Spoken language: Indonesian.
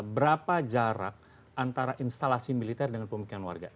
berapa jarak antara instalasi militer dengan pemikiran warga